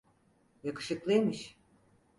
Yakışıklıymış.